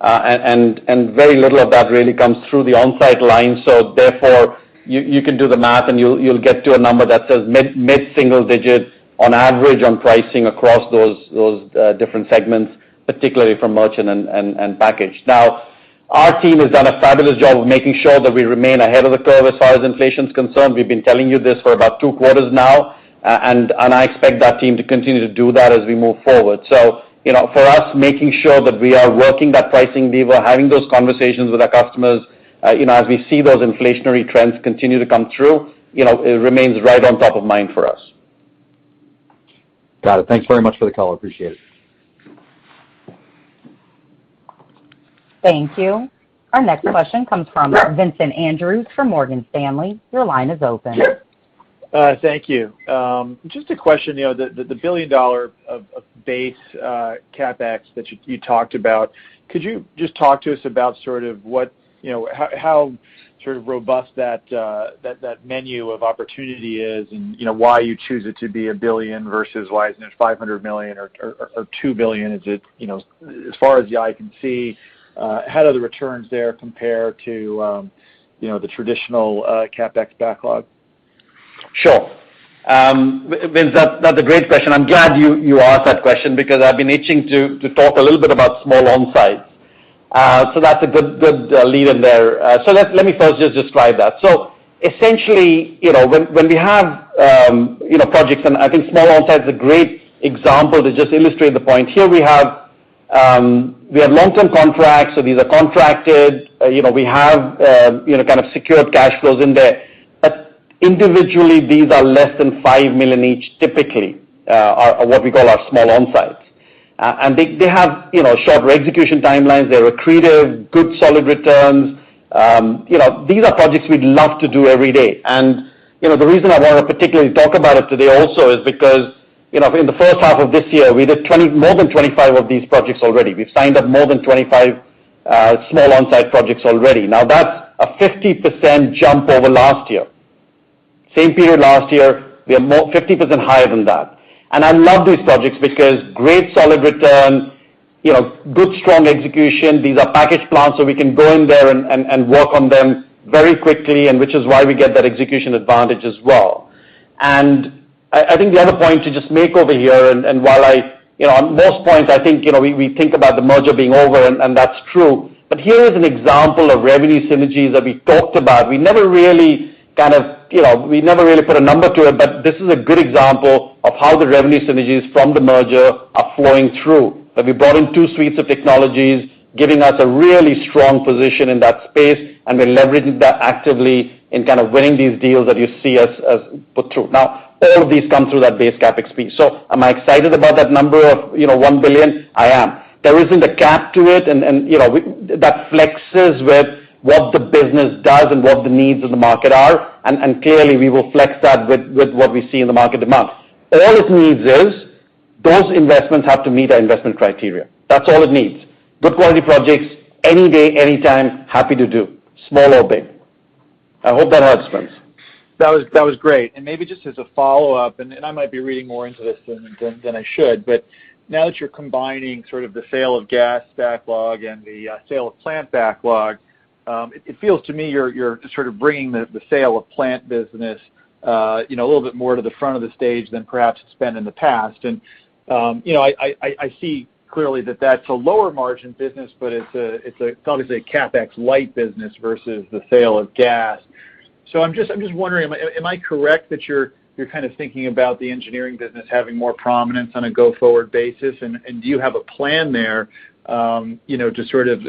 and very little of that really comes through the on-site line. Therefore, you can do the math and you'll get to a number that says mid-single digit on average on pricing across those different segments, particularly from merchant and package. Our team has done a fabulous job of making sure that we remain ahead of the curve as far as inflation's concerned. We've been telling you this for about two quarters now, and I expect that team to continue to do that as we move forward. For us, making sure that we are working that pricing lever, having those conversations with our customers, as we see those inflationary trends continue to come through, it remains right on top of mind for us. Got it. Thanks very much for the call. Appreciate it. Thank you. Our next question comes from Vincent Andrews from Morgan Stanley. Your line is open. Thank you. Just a question, the $1 billion of base CapEx that you talked about, could you just talk to us about sort of how sort of robust that menu of opportunity is, and why you choose it to be $1 billion versus why isn't it $500 million or $2 billion? As far as the eye can see, how do the returns there compare to the traditional CapEx backlog? Sure. Vincent, that's a great question. I'm glad you asked that question because I've been itching to talk a little bit about small on-sites. That's a good lead in there. Let me first just describe that. Essentially, when we have projects, and I think small on-site's a great example to just illustrate the point here. We have long-term contracts, so these are contracted. We have kind of secured cash flows in there. Individually, these are less than $5 million each, typically, are what we call our small on-sites. They have shorter execution timelines. They're accretive, good solid returns. These are projects we'd love to do every day. The reason I want to particularly talk about it today also is because, in the first half of this year, we did more than 25 of these projects already. We've signed up more than 25 small on-site projects already. That's a 50% jump over last year. Same period last year, we are 50% higher than that. I love these projects because great solid return, good strong execution. These are packaged plants, so we can go in there and work on them very quickly, and which is why we get that execution advantage as well. I think the other point to just make over here, and while on most points, I think we think about the merger being over, and that's true. Here is an example of revenue synergies that we talked about. We never really put a number to it, but this is a good example of how the revenue synergies from the merger are flowing through. That we brought in two suites of technologies, giving us a really strong position in that space, and we're leveraging that actively in kind of winning these deals that you see us put through. All of these come through that base CapEx piece. Am I excited about that number of $1 billion? I am. There isn't a cap to it, and that flexes with what the business does and what the needs of the market are. Clearly, we will flex that with what we see in the market demand. All it needs is those investments have to meet our investment criteria. That's all it needs. Good quality projects, any day, anytime, happy to do, small or big. I hope that helps, Vincent. That was great. Maybe just as a follow-up, and I might be reading more into this than I should, but now that you're combining sort of the sale of gas backlog and the sale of plant backlog, it feels to me you're just sort of bringing the sale of plant business a little bit more to the front of the stage than perhaps it's been in the past. I see clearly that that's a lower margin business, but it's obviously a CapEx-light business versus the sale of gas. I'm just wondering, am I correct that you're kind of thinking about the engineering business having more prominence on a go-forward basis? Do you have a plan there to sort of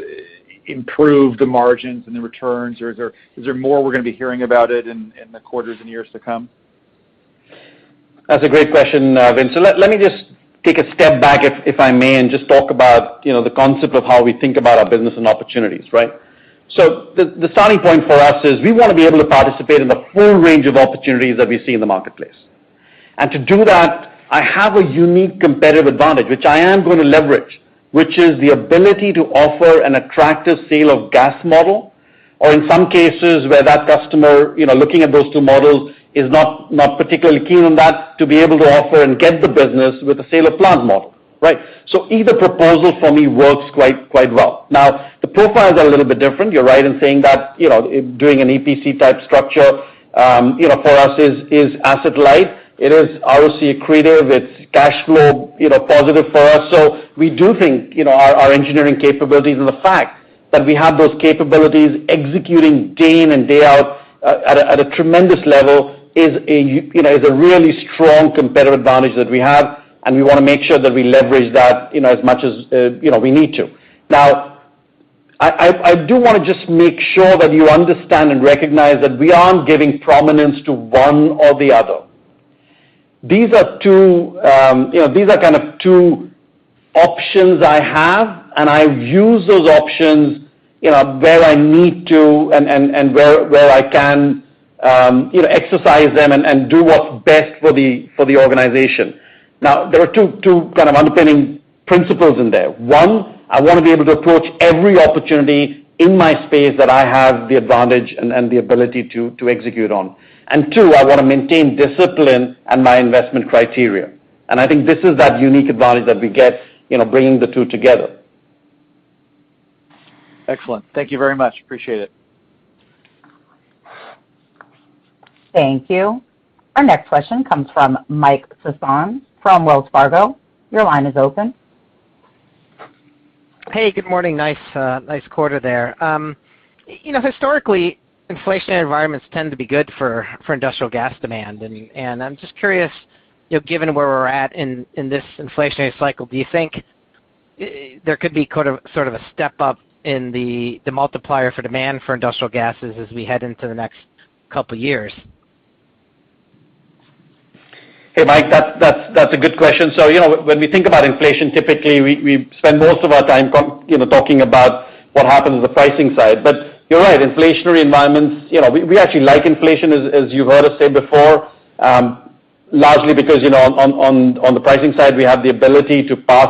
improve the margins and the returns, or is there more we're going to be hearing about it in the quarters and years to come? That's a great question, Vincent. Let me just take a step back, if I may, and just talk about the concept of how we think about our business and opportunities, right? The starting point for us is we want to be able to participate in the full range of opportunities that we see in the marketplace. To do that, I have a unique competitive advantage, which I am going to leverage, which is the ability to offer an attractive sale of gas model, or in some cases where that customer, looking at those two models, is not particularly keen on that to be able to offer and get the business with a sale of plant model. Right? Either proposal for me works quite well. Now, the profiles are a little bit different. You're right in saying that doing an EPC-type structure for us is asset light. It is obviously accretive. It's cash flow positive for us. We do think our engineering capabilities and the fact that we have those capabilities executing day in and day out at a tremendous level is a really strong competitive advantage that we have, and we want to make sure that we leverage that as much as we need to. Now, I do want to just make sure that you understand and recognize that we aren't giving prominence to one or the other. These are kind of two options I have, and I use those options where I need to and where I can exercise them and do what's best for the organization. Now, there are two kind of underpinning principles in there. One, I want to be able to approach every opportunity in my space that I have the advantage and the ability to execute on. Two, I want to maintain discipline and my investment criteria. I think this is that unique advantage that we get bringing the two together. Excellent. Thank you very much. Appreciate it. Thank you. Our next question comes from Mike Sison from Wells Fargo. Your line is open. Hey, good morning. Nice quarter there. Historically, inflationary environments tend to be good for industrial gas demand. I'm just curious, given where we're at in this inflationary cycle, do you think there could be sort of a step up in the multiplier for demand for industrial gases as we head into the next couple years? Hey, Mike, that's a good question. When we think about inflation, typically, we spend most of our time talking about what happens on the pricing side. You're right, inflationary environments, we actually like inflation, as you've heard us say before, largely because on the pricing side, we have the ability to pass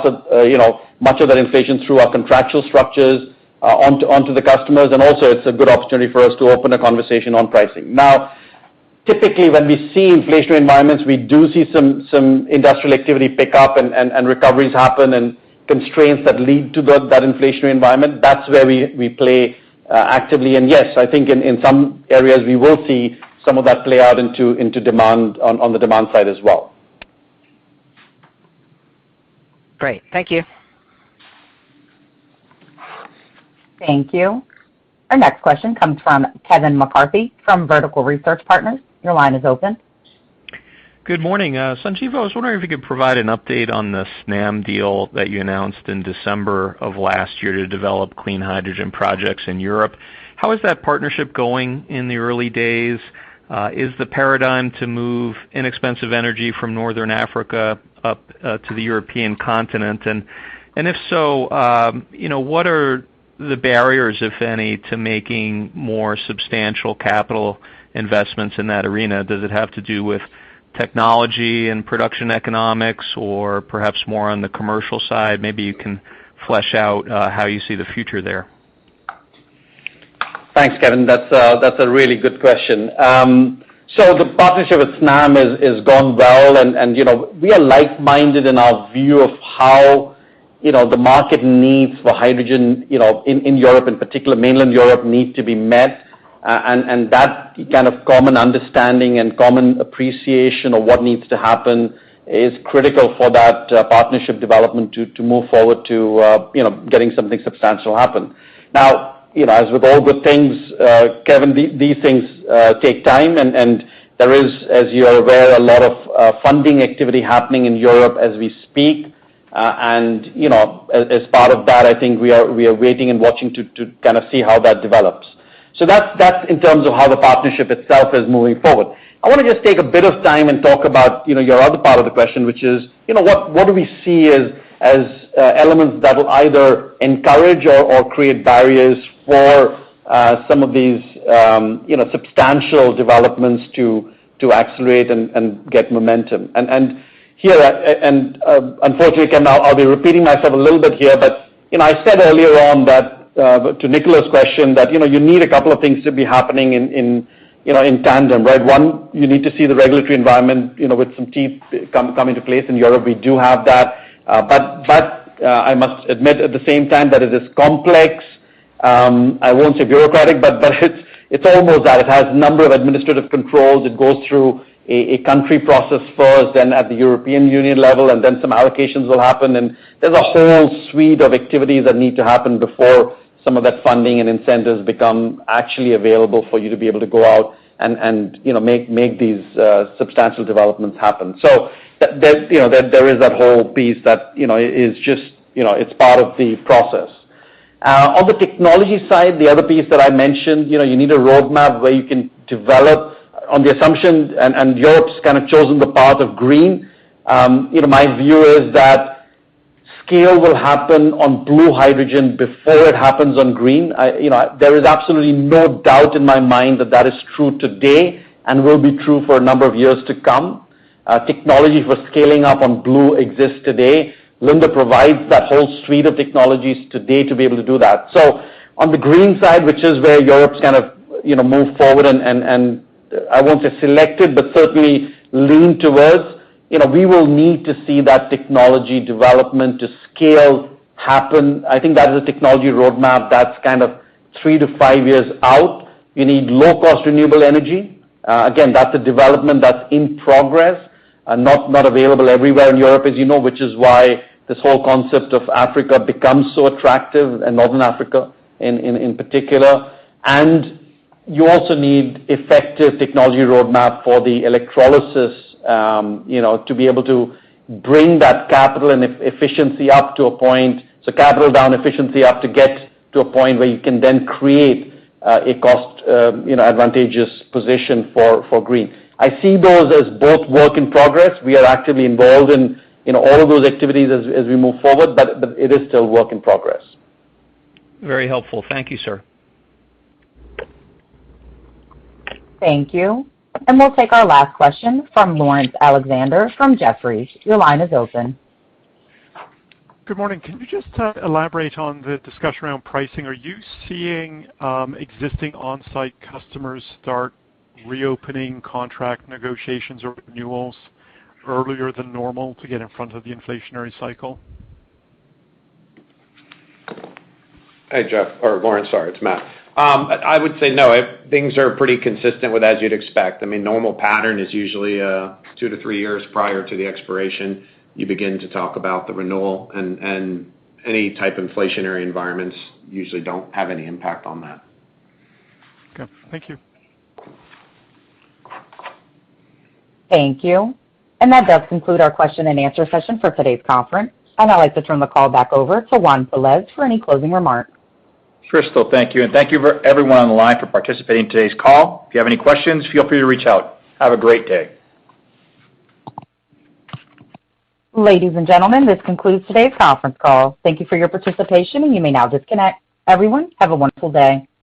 much of that inflation through our contractual structures onto the customers. Also, it's a good opportunity for us to open a conversation on pricing. Now, typically, when we see inflationary environments, we do see some industrial activity pick up and recoveries happen and constraints that lead to that inflationary environment. That's where we play actively. Yes, I think in some areas, we will see some of that play out on the demand side as well. Great. Thank you. Thank you. Our next question comes from Kevin McCarthy from Vertical Research Partners. Your line is open. Good morning. Sanjiv, I was wondering if you could provide an update on the Snam deal that you announced in December of last year to develop clean hydrogen projects in Europe. How is that partnership going in the early days? Is the paradigm to move inexpensive energy from Northern Africa up to the European continent? If so, what are the barriers, if any, to making more substantial capital investments in that arena? Does it have to do with technology and production economics or perhaps more on the commercial side? Maybe you can flesh out how you see the future there. Thanks, Kevin. That's a really good question. The partnership with Snam has gone well and we are like-minded in our view of how the market needs for hydrogen, in Europe in particular, mainland Europe, need to be met. That kind of common understanding and common appreciation of what needs to happen is critical for that partnership development to move forward to getting something substantial happen. Now, as with all good things, Kevin, these things take time, and there is, as you are aware, a lot of funding activity happening in Europe as we speak. As part of that, I think we are waiting and watching to kind of see how that develops. That's in terms of how the partnership itself is moving forward. I want to just take a bit of time and talk about your other part of the question, which is, what do we see as elements that will either encourage or create barriers for some of these substantial developments to accelerate and get momentum? Unfortunately, Kevin, I'll be repeating myself a little bit here, but I said earlier on to Nicola's question that you need a couple of things to be happening in tandem, right? One, you need to see the regulatory environment with some teeth come into place. In Europe, we do have that. I must admit at the same time that it is complex. I won't say bureaucratic, but it's almost that. It has a number of administrative controls. It goes through a country process first, then at the European Union level, and then some allocations will happen. There's a whole suite of activities that need to happen before some of that funding and incentives become actually available for you to be able to go out and make these substantial developments happen. There is that whole piece that is just part of the process. On the technology side, the other piece that I mentioned, you need a roadmap where you can develop on the assumption, and Europe's kind of chosen the path of green. My view is that scale will happen on blue hydrogen before it happens on green. There is absolutely no doubt in my mind that that is true today and will be true for a number of years to come. Technology for scaling up on blue exists today. Linde provides that whole suite of technologies today to be able to do that. On the green side, which is where Europe's kind of moved forward and, I won't say selected, but certainly leaned towards, we will need to see that technology development to scale happen. I think that is a technology roadmap that's kind of three to five years out. You need low-cost renewable energy. Again, that's a development that's in progress and not available everywhere in Europe, as you know, which is why this whole concept of Africa becomes so attractive, and Northern Africa in particular. You also need effective technology roadmap for the electrolysis to be able to bring that capital and efficiency up to a point, so capital down efficiency, up to get to a point where you can then create a cost advantageous position for green. I see those as both work in progress. We are actively involved in all of those activities as we move forward, but it is still work in progress. Very helpful. Thank you, sir. Thank you. We'll take our last question from Laurence Alexander from Jefferies. Your line is open. Good morning. Can you just elaborate on the discussion around pricing? Are you seeing existing on-site customers start reopening contract negotiations or renewals earlier than normal to get in front of the inflationary cycle? Laurence, sorry. It's Matt. I would say no. Things are pretty consistent with as you'd expect. I mean, normal pattern is usually two to three years prior to the expiration, you begin to talk about the renewal. Any type inflationary environments usually don't have any impact on that. Okay. Thank you. Thank you. That does conclude our question and answer session for today's conference. I'd like to turn the call back over to Juan Pelaez for any closing remarks. Crystal, thank you. Thank you for everyone on the line for participating in today's call. If you have any questions, feel free to reach out. Have a great day. Ladies and gentlemen, this concludes today's conference call. Thank you for your participation, and you may now disconnect. Everyone, have a wonderful day.